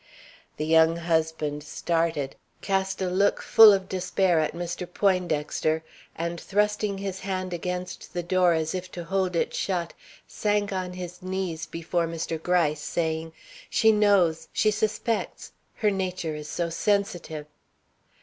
The young husband started, cast a look full of despair at Mr. Poindexter, and thrusting his hand against the door as if to hold it shut, sank on his knees before Mr. Gryce, saying: "She knows! She suspects! Her nature is so sensitive."